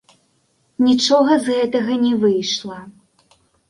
Нічога з гэтага не выйшла.